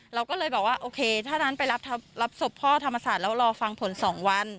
เราก็เลยบอกว่าโอเคถ้านั้นไปรับศพพ่อธรรมศาสตร์แล้วรอฟังผล๒วัน